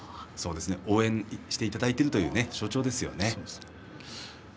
応援をしていただいているという象徴ですよね。